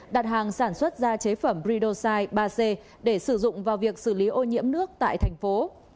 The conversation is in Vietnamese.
đặt hàng sản xuất ra chế phẩm ridosai ba c để sử dụng vào việc xử lý ô nhiễm nước tại thành phố